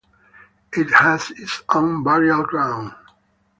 It had its own burial ground.